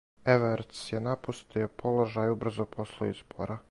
Евертс је напустио положај убрзо после избора.